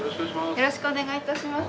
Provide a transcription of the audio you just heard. よろしくお願いします。